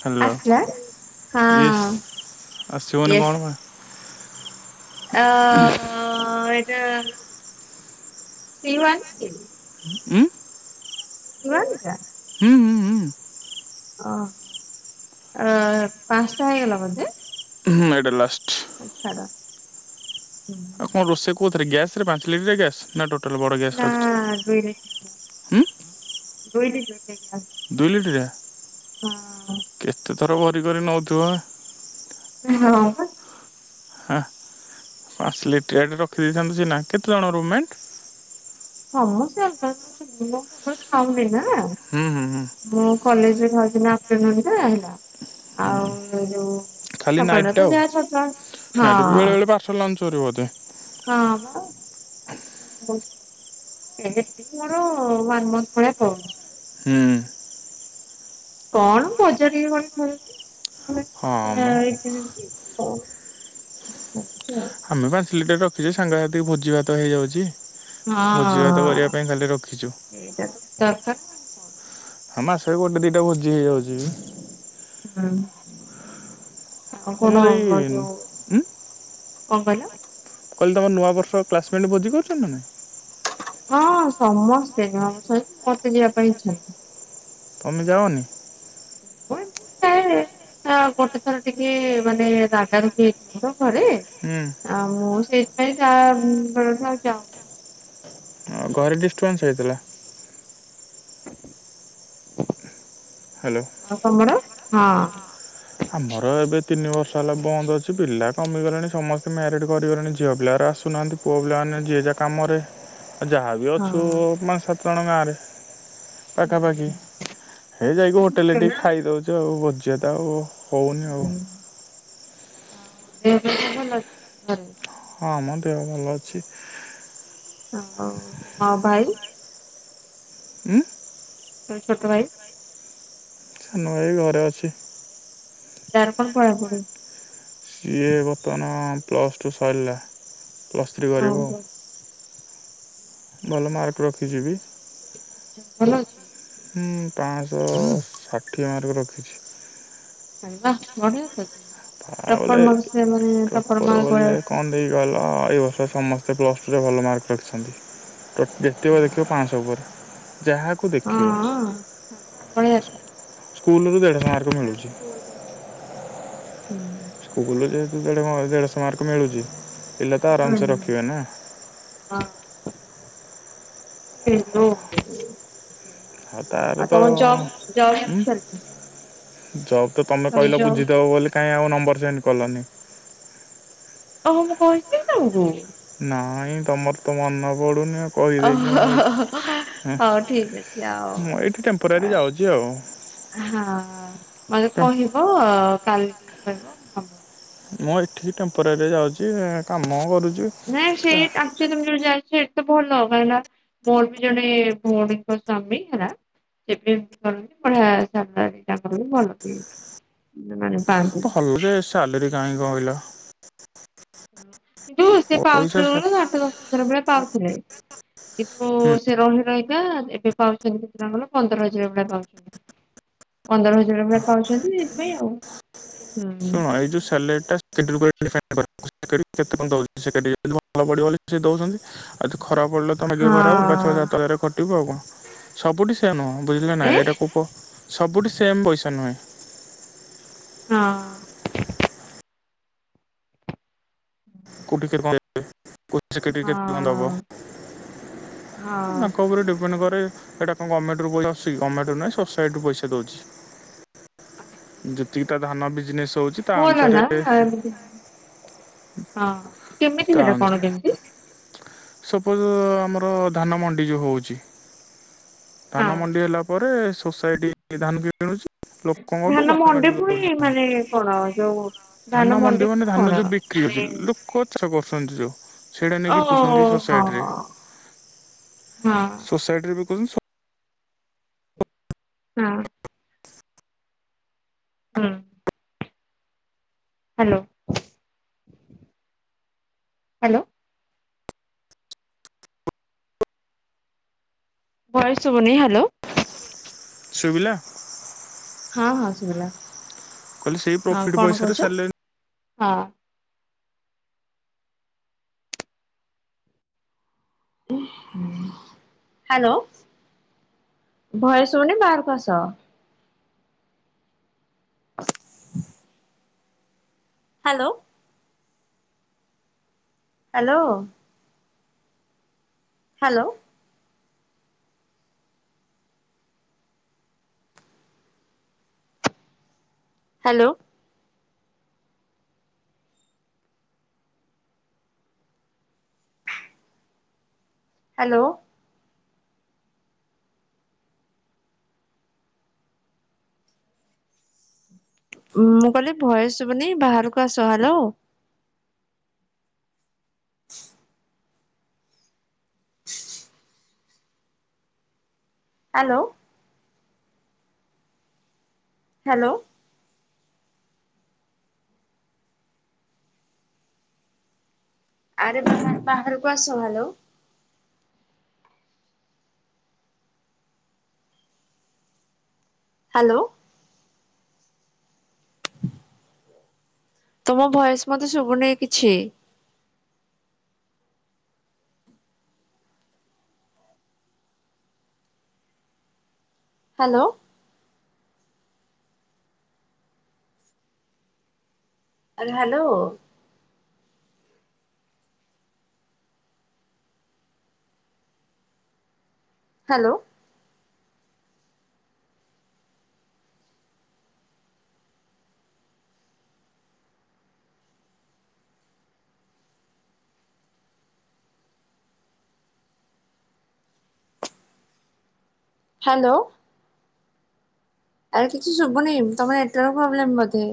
Hello ଆସଛୁ ହଁ yes ଆସିବନି କଣ ୟେସ୍। ବା ଅ [unintelligible] ଉମ୍ଁ [unintelligible] ହୁଁ ହୁଁ ହୁଁ। ଓ ଆ ପାଞ୍ଚଟା ହେଇଗଲା ବୋ ହୁଁ ଏଇଡ଼ା ଲାଷ୍ଟ୍ ଆଛାଡା ଆଉ କଣ ରୋଷେଇ କୋଉ ଥରେ ଗ୍ୟାସ୍ ପାଞ୍ଚ ଲିଟର ଗ୍ୟାସ୍ ନା ଟୋଟ ଟୋଟାଲ ବଡ଼ ଗ୍ୟାସ୍ ନା ରଖିଛ। ଦୋଇ ଦେଇ ଦୁଇ ଲିଟର ହଁ କେତେ? ଥର ଭରି କରି ନେଉଥିବ। ହଁ। ହା ପାଞ୍ଚ ଲିଟରିଆଟା ରଖି ଦେଇଥାନ୍ତୁ ସି ନା କେତେଜଣ ରୁମେଣ୍ଟ ସମେ କେବେ ଖାଉନି ନା ହୁଁ ହୁଁ ହୁଁ ମୁଁ କଲେଜ ଭଜନାପଟ ହେଲା ଆଉ ଯୋଉ ଖାଲି ନାଇଟ୍ ସକାଳଟା ତ ଟା ଆଉ ଯାହା ଛତୁଆ ନାଇଟ୍ ବେଳେ ବେଳେ ପାର୍ସଲ ଲଞ୍ଚ କରିବ ବୋଧେ ହଁ ହଁ ବା ମୋର ୱନ ମନ୍ଥ ଭଳିଆ ପଳଉଛି ହୁଁ। କଣ ବଜାରରେ ଗଣଛି ହଁ ମ ହଁ [unintelligible] ଓ ଆମେ ପାଞ୍ଚ ଲିଟର ରଖିଛେ ସାଙ୍ଗ ସାଥି ଭୋଜି ଭାତ ହେଇଯାଉଛି। ଭୋଜି ଭାତ କରିବା ହଁ ପାଇଁ ଖାଲି ରଖିଛୁ ଇଟାକାର ହ ମା ସେ ଗୋଟେ ଦୁଇଟା ଭୋଜି ହେଇଯାଉଛି। ହଁ। ତମର ଏଇ ଉ କଣ କହିଲ କହିଲେ ତମ ନୂଆବର୍ଷ କ୍ଲାସମେଟ୍ ଭୋଜି କରୁଛନ୍ତି ନାଁ ହଁ ସମସ୍ତେ ଜଛନ୍ତି ମତେ ଯିବା ପାଇଁ ଇଚ୍ଛା ନାହିଁ। ତମେ ଯାଅନି ମୁଁ ଏତି ଗୋଟେ ଥର ଟିକେ ମାନେ ରାାଗ ରୋଗୀ ହେଇଥିଲା ତ ଘରେ ହୁଁ ଆଉ ମୁଁ ସେଇ ମ କ ବଡ଼ ଚା ଘରେ ଡିଷ୍ଟର୍ବାନ୍ସ ହେଇଥିଲା। ହ୍ୟାଲୋ। ହଁ କମଡ଼ ହଁ ସଲ ବନ୍ଦ ଅଛି, ପିଲା କମିଗଲେଣି ସମସ୍ତେ ମ୍ୟାରେଡ କରିଗଲେଣି, ଝିଅ ପିଲାର ଆସୁନାହାନ୍ତି, ପୁଅ ପିଲାମାନେ ଯିଏ ଯା କାମରେ। ଯାହା ବିି ହଁ ଅଛୁ, ପାଞ୍ଚ ସାତ୍ ତଣ ଗାଁ ରେ ପାଖାପାଖି ହୁଁ। ହେ ଯାଇକି ହୋଟେଲରେ ଟିକେ ନା ଖାଇଦଉଛୁ ଆଉ ବ ଜେଟା ଆଉ ହଉନି ଆଉ। ଆଉ ଦେହ ଫେହ ସବୁ ଭଲ ଅଛି ଘରେ। ହଁ, ମ ଦେହ ଭଲ ଅଛି। ହଁ ଆଉ ତମ ଭାଇ ଉଁ ତୋ ଛୋଟ ଭାଇ ସାନଭାଇ ଘରେ ଅଛି। ତାର କଣ ପଢା ପଢ଼ି? ସିଏ ବର୍ତ୍ତମାନ ପ୍ଲସ୍ ଟୁ ସରିଲା। ପ୍ଲସ ଥ୍ରି କରିବ। ଆଚ୍ଛା ଭଲ ମାର୍କ ରଖିଚି ବି। ଆଛା ଭଲ ଅଛି। ହୁଁ ପାଆଁଶହ ଷାଠିଏ ମାର୍କ ରଖିଛି। ଆରେ ବା ବଢ଼ିଆ ତ ଅଛି। ତା ଟପର ବୋଲେ ମାର୍କ ସେ ମାନେ ଟପର ମାର୍କ ଭଳିଆ ବୋଲେ କଣ ଦେଇ ଗଲ ଏଇ ବର୍ଷ ସମସ୍ତେ ସେ ପ୍ଲସ୍ ଟୁରେ ଭଲ ମାର୍କ ରଖିଛନ୍ତି। ତା ହଁ। ଜେତୋବେଳେ ଦେଖିବ ପାଆଁଶହ ଉପରେ। ଯାହାକୁ ଦେଖିବ, ବଢିଆ ସ୍କୁଲରୁ ଦେଢ଼ଶହ ମାର୍କ ହୁଁ ମିଳୁଛି। ହୁଁ ସ୍କୁଲ ଯେହେତୁ, ଦେଢ ଦେଢ଼ଶ ମାରକ ମିଳୁଛି। ପିଲା ତ ଆରାମସେ ହଁ। ରଖିବେ ନା। ହେଲୋ [unintelligible] ଏୟା ଆଉ, ତାର ଆଉ ତ ତମ ଜବ ଜବ ସରିନି? ଜବ୍ ତମେ କହିଲ ବୁଝିଦବ ବୋଲି କାହିଁ ଆଉ ନମ୍ବର ସେଣ୍ଡ କଲନି ଓହୋ ମୁଁ କହିଥିଲି କି ତମକୁ? ନାଇଁ, ତମର ତ ମନେ ପଡୁନି । ଓହୋ, ହୋ, ହୋ ହଉ ଠିକ ଅଛି, ଆଉ ମୁଁ ଏଇଠି ଟେମ୍ପୋରାରୀ ଯାଉଛି ଆଉ। ହଁ ମତେ କହିବ । କାଲି ଟିକେ କହିବ [inaudible] ମୁଁ, ଏଠିକି ଟେମପେରାରୀରେ ଯାଉଛି, କାମ କରୁଛି । ନା ସେଇଟ ଆମଛ ତୁମ ଯାଇ ସେ ତେ ଭଲ କ ହେଲା ମୋର ବି ଜଣେ ଭଉଣୀଙ୍କ ସ୍ଵାମୀ ହେଲା ସେ ବି ଏମିତି କଲେଣିି ବଢିଆ ସାଲାରି ବିଭଲ ବି ତାଙ୍କର କଲେ ଭଲ ବି ମାନେ ପାଆନ୍ତି। ହଲ ଆଭଲରେ ସାଲାରି କାଇଁ କହିଲ। ହ [inaudible] [inaudible] କିନ୍ତୁ ସେ ପଇସା ପାଉଥିଲେ ହୁଁ ବେଳେ ଆଠ ଦଶଥର ବେଳେ ପାଉଥିଲେ। କିନ୍ତୁ ସେ ରହି ରହି ଏବେ ପାଉଛନ୍ତି କେତେ ଟଙ୍କର ପନ୍ଦର ହଜାର ଭଳିଆ ପାଉଛନ୍ତି ପନ୍ଦର ହଜାର ଭଳିଆ ପାଉଛନ୍ତି ସେଥିପାଇଁ ଆଉ ହୁଁ। ଶୁଣୁ ଏଜଉ ସାଲାରିଟା [inaudible] କେତେ କଉ ସେ ଯି ଭଲ ପଡ଼ିବ ସେ ଦଉଛନ୍ତି ଆଉ ଖରାପ ପଡ଼ିଲ ତମେିକଏ ଖରାପ ଗାଛଅ ହଁ ସାତ ହଜାର ଖଟିବ ଆଉକଣ। ସବୁଠି ସେ ୟା ନୁହଁ। ବୁଝିଲେ ନା ଏ ଏଇଟା କୁ କ- ସବୁଠୁ ସେମ୍ ପଇସା ନୁହେଁ। ହଁ କୋଟିକର କଣ [inaudible] ପଇସା [unintelligible] କିି କେତେ କଣ ଦେବ ହଁ ହଁ। ତାଙ୍କ ଉପରେ ଡିପେଣ୍ଡ କରେ। ଏଇଟା କଣ ଗମେଟୋରୁୁସଛି ଗମେଟୋ ନୁହଁ ସୋସାଇଟିୁ ପଇସା ଦଉଛି। ଯେତିକି ତା ଧାନ ବିଜନେସ୍ ହଉଛି ତା ଭଲ ନା ଅନୁସାରେ ଏମିତି ହଁ କେମିତି ତା ସେଟା ଅନୁସାରେ କଣ କେମିତି ସପୋଜ ଆମର ଧାନ ମଣ୍ଡି ଯେଉଁ ହେଉଛି। ହଁ ଧାନ ମଣ୍ଡି ହେଲା ପରେ ସୋସାଇଟି ଧାନ କି କିଣୁଛି? ଲୋକଙ୍କଠୁ ଧାନ ମଣ୍ଡି ଗଭର୍ଣ୍ଣମେଣ୍ଟକୁ ଦଉଛି ପୁଣି ମାନେ କଣ ଯୋଉ ଧାନ ମଣ୍ଡି ପୁଣି କଣ ମାନେ। ସଞ୍ଚଛୁ। ସେଇଟା ଓ ନେଇକି ହଁ ଖୁ୍ସ [inaudible] ହଁ ସୋସାଇଟିରେ ହଁ ସୋସାଇଟିରେ ବି - ଶୁସ ହଁ ହଁ ହ୍ୟାଲୋ ହ୍ୟାଲୋ ବୟବନି ହ୍ୟାଲୋ ଶୁବିଲା । ହଁ ହଁ ସୁଭିଲା । କହିଲେ ସେଇ ପ୍ରଫିଟ୍ ପଇସାରେ ସାରିଲେନି। ହଁ । ହ୍ୟାଲୋ ଭୟସୁନି ବାହରକୁ ଆସ। [inaudible] Hello. Hello. Hello. Hello. Hello. ମୁଁ କହିଲଲି ଭଏସ ଶୁଭୁନି ବାହାରକୁ ଆସ ହ୍ୟାଲୋ [inaudible] [inaudible] ହ୍ୟାଲୋ ହ୍ୟାଲୋ ଆରେ ବାହାର ବାହାଡରକୁ ଆସ ହ୍ୟାଲୋ ହ୍ୟାଲୋ ତୁମର ଭୟସ ମତେ ଶୁଭୁନି କିଛି ହ୍ୟାଲୋ ଆ ହ୍ୟାଲୋ ହ୍ୟାଲୋ ହ୍ୟାଲୋ ଆ କିଛି ଶୁବୁନି ତମ ନେଟାର୍କ ପ୍ରବଲେମ ବୋଧେ